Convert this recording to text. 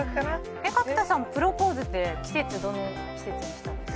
角田さん、プロポーズはどういう季節にしたんですか？